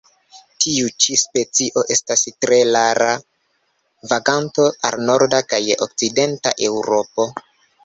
Tiu ĉi specio estas tre rara vaganto al norda kaj okcidenta Eŭropo.